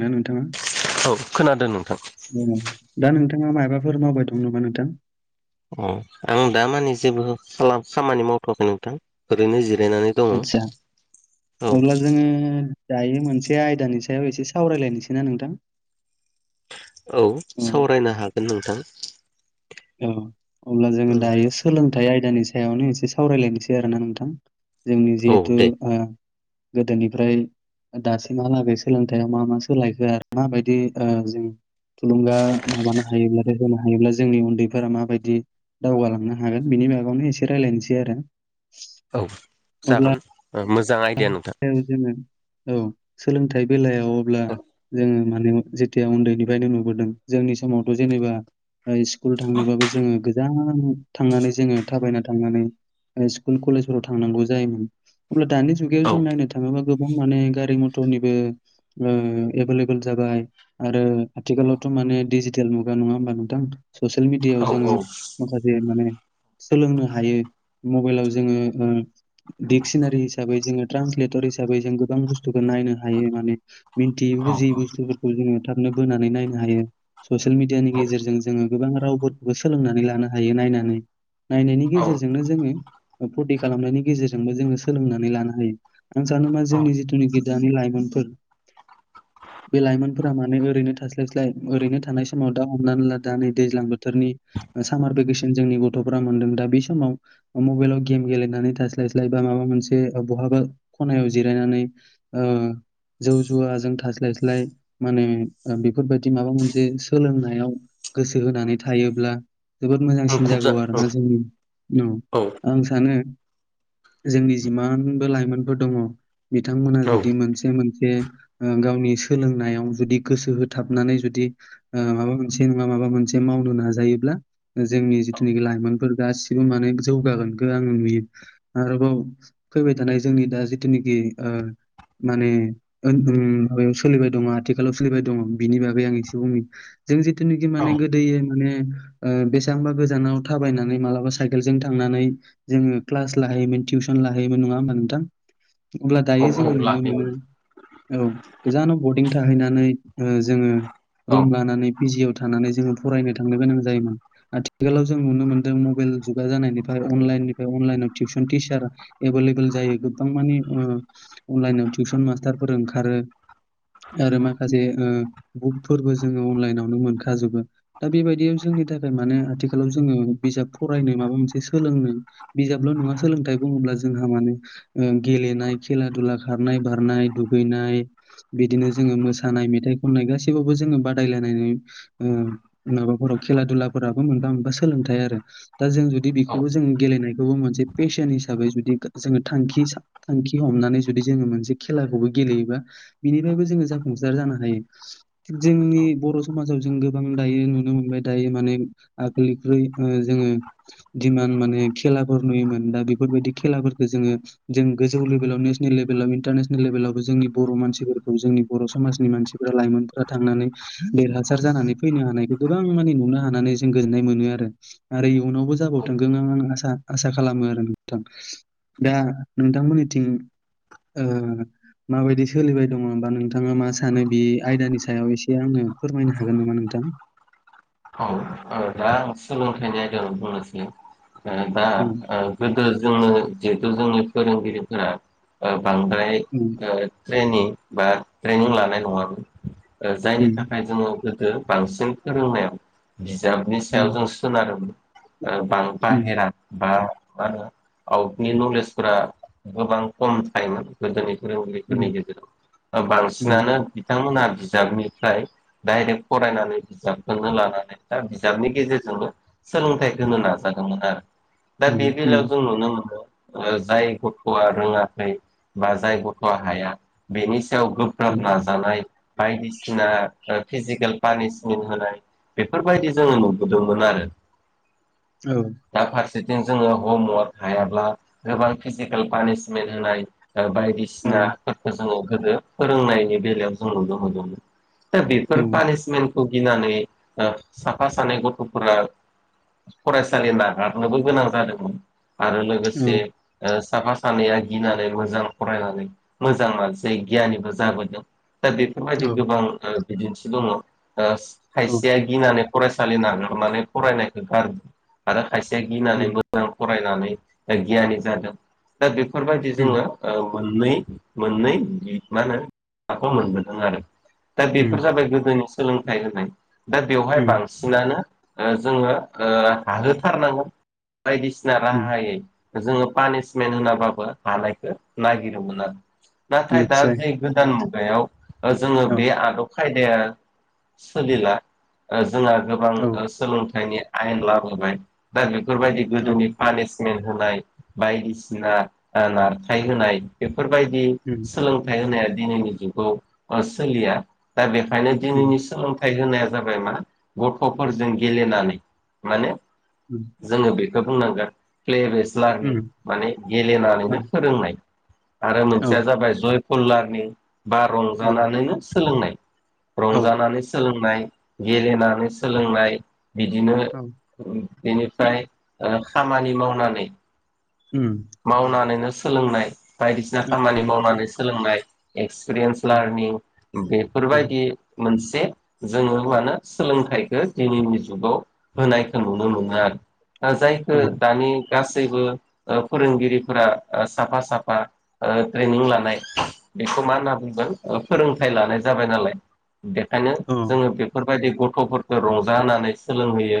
दा नोंथांङा औ खोनादों नोंथां। बंदो दा नोंथ थांङा मायबाफोर मावबाय दं नामा नोंथां? अ आं दा मानि जेबो खालाम खामानि मावथ'वाखै नोंथां ओरैनो जिर आदसा अब्ला जोंङो दायो मोनसे आयदानि सायाव एसे सावरायलायनोसै ना नोंथां? औ सावरायनो हागोन नोंथां । औ अब्ला जोंङो दायो सोलोंथाइ आयदानि सायाव सायावनो एसे सावरायलायनोसै आरोना नोंथां जोंनि औ जिहेथु दे। गोदोनिफ्राय दासिमहालागै सोलोंथायाइयाव मा मा सोलायखो आरो माबायदि जों थुलुंगा माबानो हायोब्लाथाय होनो हायोब्ला जोंनि उन्दै फोर माबायदि दावगालांनो हागोन बिनि मागावनो एसे रायजलायनोसै आरो औ जागोन मोजां आइदिया नोंथां जोंङो औ सोलोंथाइ बेलायाव अब्ला जोंङो माने जेथिया उन्दैनिफ्रायनो नुबोदों जोंनि समावथ' जेनेबा स्कुल थांनोबाबो जोंङो गोजान थांनानै जोंङो थाबायना थांनानै स्कुल कलेजफोराव थांनांगौ जायोमोन अब्ला दानि जुगायाव औ जों नायनो थांङोबा गोबां गोबां माने गारि मथरनिबो एभेलेबल जाबाय आरो आथिखालावथ' मा माने दिजिटेल मुगा नंङा होमबा नोंथां ससियेल मिडिआव औ जोंङो माखासे माने सोलोंनो हायो मबाइलाव जोंङो दिक्सिनारि हिसाबै जोंङो ट्रान्सलेटर हिसाबै जों गोबां बुस्थुखौ नायनो हायो माने मिन्थियै औ बुजियै बुस्थुफोरखौ जोंङो थाबनो बोनानै नायनो हायो ससियेल मिडियानि औ गेजेरजों जोंङो गोबां रावफोरखौबो सोलोंनानै लानो हायो नायनानै नायनायनि औ गेजेरजोंनो जोंङो फुरथि खालामनायनि गेजेरजोंबो जोंङो सोलोंनानै लानो हायो आं सान मा औ जोंनि जिथुनिख जानि लाइमोनफोर बे लाइमोनफोरा माने ओरैनो थास्लायस्लाय ओरैनो थानाय समाव दा हमनानै ला दा नै दैज्लां बोथोरनि सामार भेकेसन जोंनि गथ'फ्रा मोन्दों दा बे समाव मबाइलाव गेम गेलेनानै थास्लायस्लाय बा माबा मोनसे से बहाबा खनायाव जिरायनानै जौ जुवाजों थास्लायस्लाय माने बेफोरबायदि माबा मोनसे सोलोंनायाव गोसो होनानै थायोब्ला जोबोद मोजांसिन मुखुब जा जागौ औ आरोना जोंनि औ आं सानो जोंनि जिमानबो लाइमोनफोर दंङो बिथांमोना औ जुदि मोनसे मोनसे गावनि सोलोंनायाव जुदि गोसो होथाबनानै जुदि माबा मोनसे नंङा मा माबा मोनसे मावनो नाजायोब्ला जोंनि जिथुनाखि लाइमोनफोर गासिबो माने जौगागोनखौ आं नुयो आरोबाव फैबाय थानाय जोंनि दा जिथुनिखि माने माबायाव सोलिबाय दंङो आथिखालाव सोलिबाय दङ बिनि बागै आं एसे बुंनो जों जिथुनाखि औ माने गोदो माने बेसेबांबा गोजानाव थाबायनानै मालाबा साइकेल ज थांनानै जोंङो क्लास लाहैयोमोन टिउसन लायोमोन नङा हा नोंथां अब्ला दायो औ जोंङो नुनो मोनो लाखिगोन औ गोजानाव बर थाहैनानै जोंङो औ रुम लानानै पिजिवा थानानै जोंङो फरायनो थांनो गोनां आथिखालाव जों नुनो मोनदों मबाइल जुगा जानायनिफ्राय अनलाइन निफ्राय अनलाइनाव टिउसन टिचार एभेलेबल जायो गोबां मानि अनलाइनाव टिउसन मास्टारफोर ओंखारो आरो माखासे बुकफोरबो जोंङो अनलाइनावनो मोनखाजोबो दा बेबायदियाव जों थाखाय आथिखालाव जोंङो बिजाब फरायनो माबा मोनसे सोलोंनो बिजाबल नङा सोलोंथाइ बुंङोब्ला जोंहा माने गेलेनाय खेला दुला खारनाय बारनाय दुगैनाय बिदिनो जों मोसानाय मेथाइ खननाय गासैबबो जोंङो बादायनाय माबाफोराव खेला दुलाफोराव मोनफा मोनफा सोलोंथाइ आरो जों जु औ बेबो जों गेलेनायखौबो मोनसेे फेसन हिसाबै जुदि जोंङो थांखि थांखि हमनानै जुदि जोंङो मोनसे खेलाखौबो गेलेयोबा बिनिफ्रायबो जोंङो जाफुंसार जानो हायो जोंनि बर' समाजाव जों गोबां दायो नुनो मोनबाय दायो माने आगोलनिख्रुइ जोंङो दिमान माने खेलाफोर नुयोमोन दा बेफोरबायदि खेला जोंङो जों गोजौ लेभेलाव नेसनेल लेभेलाव इन्टारनेसनेल लेभेलावबो जोंनि बर' मानसिफोरखौ जोंनि बर' समासनि लाइमोनफोरा थांनानै देरहासार जानानै फैनो हानाय गोबां नुनो हानानै जों गोजोननाय मोनो आरो इयुनावबो जाबाव थांगोन आं आं आसा खालामो आरो नोंथां दा नोंथांमोननिथिं माबायदि सोलिबाय दंङो होनोमबा नोंथाङा मा सानो बे आयदानि सायाव एसे आङो फोरमायनो हागोन नामा नोंथां [unintelligible] [inaudible] औ औ दा आं सोलोंथाइनि आयदाखौ बुंनोसै ओ दा औ ओ गोदो जोंनो जिहेथु जोंनि फोरोंगिरिफोरा ओ बांद्राय उम ओ ट्रेनिं बा ट्रेनिं लानाय नङामोन ओ जायनि उम थाखाय जोङो गोदो बांसिन फोरोंनायाव बिजाबनि सायाव उम जों सोनारोमोन बां उम बाहेरा बा मा होनो आउटनि नलेजफोरा गोबां खम थायोमोन गोदोनि फोरोंगिरिफोरनि उम गेजेराव ओ उम बांसिनानो बिथांमोना बिजाबनिफ्राय डाइरेक्ट फरायनानै बिजाबखौनो लानानै दा बिजाबनि गेजेरजोंनो सोलोंथाइ होनो नाजादोंमोन आरो दा उम बे उम बेलायाव जों नुनो मोनो ओ जाय गथआ रोङाखै बा जाय गथ'आ हाया बेनि सायाव गोब्राब उम नाजानाय बायदिसिना ओ फिजिकेल पानिसमेन्ट होनाय बेफोरबायदि जोङो नुबोदोंमोन आरो औ दा फारसे जों जोङो हमवार्क हायाब्ला गोबां फिजिकेल पानिसमेन्ट होनाय ओ औ बायदिसिनाफोरखौ जोङो गोदो फोरोंनायनि बेलायाव जों नुनो मोनदोंमोन दा बेफोर औ पानिसमेन्टखौ गिनानै साफा सानै गथ'फोरा फरायसालि नागारनोबो गोनां जादोंमोन आरो लोगोसे ओ साफा सानैया गिनानै मोजां फरायनानै मोजां मानसि गियनिबो जाबोदों दा बेफोरबायदि औ गोबां ओ बिदिन्थि दङ‌ ओ खाइस औ फरायसालि नागारनानै फरायनायखौ गारो आरो खायसे गिनानै उम मोजां फ रायनानै गियानि जादों दा बेफोरबायदि उम जोङो ओ मोननै मोननै मा होनो माखौ मोनबोदों आरो दा उम बेफोर जाबाय गोदोनि सोलोंथाइ होनाय दा बेवहाय उम बांसिनानो ओ जोङो हाहोथारनांगोन बायदिसिना उम राहायै जोङो पानिसमेन्ट होनाबाबो हानायखौ नागिरोमोन आरो नाथाय दा निस्सय जे गोदान मुगायाव ओ जोङो औ बे आदब खायदाया सोलिला ओ जोंहा गोबां औ ओ सोलोंथाइनि आयेन लाबोबाय दा बेफोरबायदि औ गोदोनि पानिस मेन्ट होनाय बायदिसिना नारखाय होनाय बेफोरबायदि उम सोलोंथाइ होनाया दिनैनि जुगाव सोलिया दा बे खायनो उम दिनैनि सोलोंथाइ होनाया जाबाय मा गथ'फोरजों गेलेनानै माने उम जोङो बेखो बुंनांगोन प्लेबेस स्लानि उम माने औ गेलेनानैनो फोरोंनाय आरो औ मोनसेया जाबाय जयपलारनिं बा औ रंजानानैनो सोलोंनाय औ रंजानानै सोलोंनाय गेलेनानै सोलोंनाय बिदिनो औ बेनिफ्राय ओ खामानि मावनानै उम मावनानैनो सोलोंनाय बायदिसिना खामानि औ मावनानै सोलोंनाय एक्सपिरियेन्स लारनिं बेफोर औ बायदि मोनसे जोङो मा होनो सोलोंथाइखो दिनैनि जुगाव होनायखो नुनो मोनो आरो ओ जायखो औ औ दानि गासैबो ओ फोरोंगिरिफोरा साफा साफा ओ ट्रेनिं लानाय बेखौ मा होनना बुंगोन फोरोंथाइ लानाय जाबाय नालाय बेखायनो औ जोङो बेफोर बायदि गथ'फोरखो रंजा होनानै सोलोंहोयो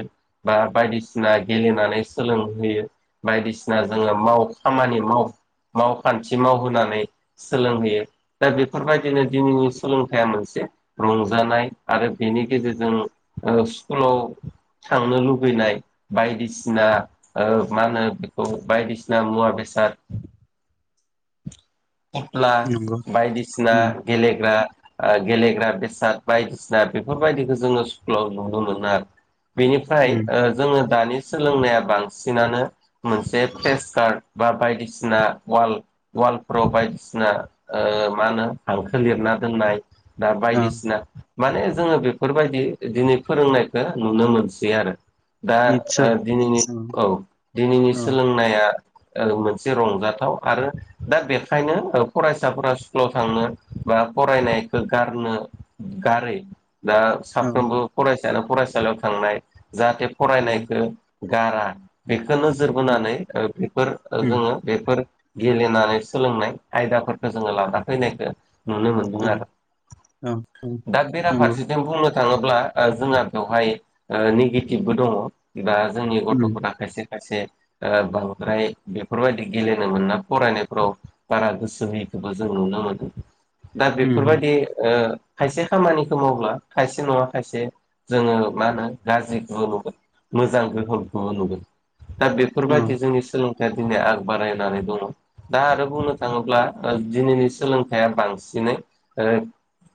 बा बायदिसिना गेलेनानै सोलोंहो यो बायदिसिना जोङो माव खामानि माव मावखान्थि मावहोनानै सोलों होयो दा बेफोरबायदिनो दिनैनि सोलोंथाइया मोनसे रंजानाय आरो बेनि गेजेरजों ओ स्कुलाव थांनो लुबैनाय नाय बायदिसिना ओ मा होनो बेखौ बायदिसिना मुवा बेसाद फथुला नंगौ बायदिसिना उम गेलेग्रा ओ गेलेग्रा बेसाद बायदिसिना बेफोरबायदिखौ जोङो स्कुलाव नुनो मोनो आरो। बेनिफ्राय उम ओ जोङो दानि सोलोंनाया बांसिनानो मोनसे फेसकार बा बायदिसिना वाल वालफोराव बायदिसिना ओ मा होनो हांखो लिरना दोननाय दा औ बायदिसिना माने जोङो बेफोरबायदि दिनै फोरोंनायखौ नुनो मोनसै आरो। दा ओ निस्सय दिनैनि औ दिनैनि औ सोलोंनाया ओ मोनसे रंजाथाव आरो दा बेखायनो ओ फरायसाफोरा स्कुलाव थांनो बा फरायनायखौ गारनो गारै दा औ साफ्रोमबो फरायसायानो फरायसालियाव थांनाय जाहाथे उम फरायनायखौ गारा बेखौ नोजोर उम बोनानै बेफोर उम जोङो बेफोर गेले नानै सोलोंनाय आयदाफोरखौ जोङो लाना फैनायखौ नुनो मोनदों औ आरो औ औ दा नंगौ बेराफारसेथि बुंनो थाङोब्ला ओ जोंहा बेवहाय ओ निगेटिभबो दङ बा जोंनि उम गथ'फोरा खायसे खायसे ओ बांद्राय बेफोरबायदि गेलेनो मोनना फरायनायफ्राव बारा गोसो होयैखौबो जों नुनो मोनदों। दा उम बेफोरबायदि ओ खायसे खामानिखौ मावब्ला खायसे नङा खायसे जोङो मा होनो गाज्रिखौबो नुगोन मोजां गोहोमखौ नुगोन दा औ बेफोरबायदि जोंनि सोलोंथाइया दिनै आग बारायनानै दङ। दा आरो बुंनो थाङोब्ला ओ दिनैनि सोलोंथाइया बांसिनै ओ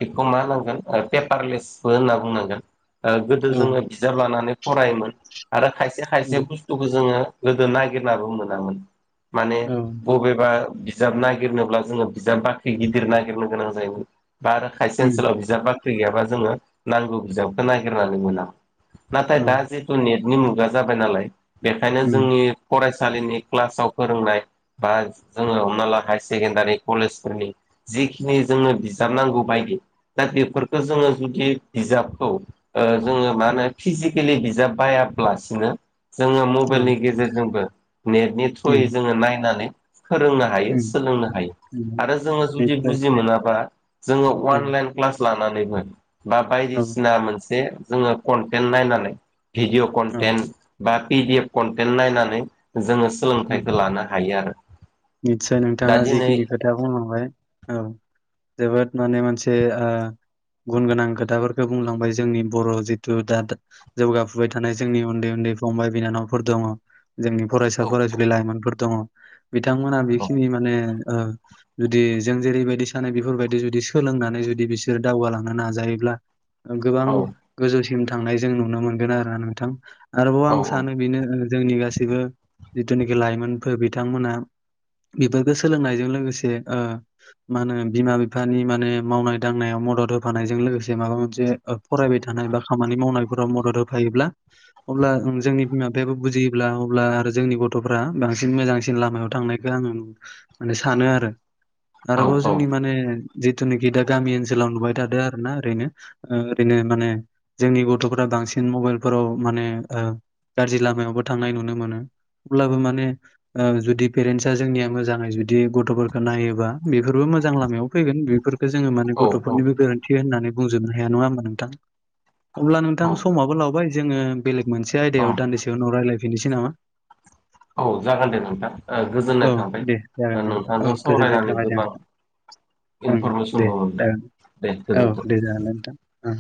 बेखौ मा होनांगोन पेपारलेसबो होनना बुंनांगोन। ओ गोदो औ जोङो बिजाब लानानै फरायोमोन आरो खायसे खायसे उम बुस्थुखौ जोङो गोदो नागिरनाबो मोनामोन। औ एबा बिजाब नागिरनोब्ला जोङो बिजाब बाख्रि गिदिर नागिरनो गोनां जायोमोन। बा आरो खायसे उम ओनसोलाव बिजाब बाख्रि गैयाबा जोङो नांगौ बिजाबखौ नागिरनानै मोनामोन नाथाय औ दा जिथु नेटनि मुगा जाबाय नालाय बेखायनो उम जोंनि फरायसा फरायसालिनि क्लासाव फोरोंनाय बा जोङो हमना ला हायार सेकेण्डारि कलेजफोरनि जिखिनि जोङो बिजाबनांगौ बायदि दा बेफोरखौ जोङो जुदि बिजाबखौ ओ जोङो मा होनो फिजिकेलि बिजाब बाया लासिनो जोङो औ मबाइलनि गेजेरजोंबो नेटनि थ्रुयै उम जोङो नायनानै फोरोंनो हायो उम सोलोंनो हायो नंगौ आरो जोङो जुदि निस्सय बुजि मोनाबा जोङो औ अनलाइन क्लास लानानैबो बा औ बायदिसिना मोनसे जोङो कन्टेन्ट नायनानै भिडिय' औ कन्टेन्ट बा पिडि एफ कन्टेन्ट नायनानै जोङो सोलोंथाइखौ लानो हायो आरो। निस्सय दा नोंथाङा दिनै जिखिनि खोथा बुंलांबाय औ जोबोद माने मोनसे ओ गुन गोनां खोथाफोरखौ बुंलांबाय जोंनि बर' जिथु दा जौगाफुबाय थानाय जोंनि उन्दै उन्दै फंबाय बिनानावफोर दङ जोंनि औ फरायसा औ फरायसुलि लाइमोनफोर दङ। बिथांमोना बेखिनि माने ओ जुदि जों जेरैबायदि सानो बेफोरबायदि जुदि सोलोंनानै जुदि बिसोरो दावगालांनो नाजायोब्ला गोबां औ गोजौसिम थांनाय जों नुनो मोनगोन आरोना नोंथां। आरोबाव औ आं सानो बेनो ओ जोंनि गासैबो जिथुनाखि लाइमोनफोर बिथांमोना बेफोरखौ सोलोंनायजों लोगोसे ओ मा होनो बिमा बिफानि माने मावनाय दांनायाव मदद होफानायजों लोगोसे माबा मोनसे फरायबाय थानाय बा खामानि मावनायफोराव मदद होफायोब्ला अब्ला दा जोंनि बिमा बिफायाबो बुजियोब्ला अब्ला आरो जोंनि गथ'फ्रा बांसिन मोजांसिन लामायाव थांनायखौ आङो माने सानो आरो औ आरोबाव जोंनि माने जिथुनाखि दा गामि ओनसोलाव नुबाय थादों आरोना ओरैनो ओरैनो माने जोंनि गथ'फोरा बांसिन मबाइलफोराव माने गाज्रि लामायावबो थांनाय नुनो मोनो अब्लाबो माने ओ जुदि पेरेन्टसा जोंनिया मोजाङै जुदि गथ'फोरखौ नायोबा बेफोरबो मोजां लामायाव फैगोन बेफोरखौ जोङो माने औ गथ'फोरनिबो गोरोन्थि होननानै बुंजोबनो हाया नङा होमबा नोंथां। अब्ला नोंथां औ समाबो लावबाय जोङो बेलेग मोनसे औ आयदायाव दान्दिसे उनाव रायलाय फिनिसि नामा? औ जागोन दे नोंथां औ गोजोननाय थाबाय दे जागोन दे औ नोंथांजों गोजोननाय सावरायनानै थाबाय गोबां नोंथां। ओं दे इनफरमेसनबो मोनबाय जागोन दे औ गोजोनथों दे जागो दे नोंथां।